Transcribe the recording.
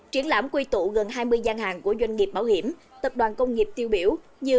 triển lãm quy tụ gần hai mươi gian hàng của doanh nghiệp bảo hiểm tập đoàn công nghiệp tiêu biểu như